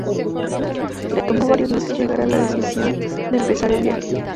Le tomó varios meses llegar a la decisión de empezar el viaje.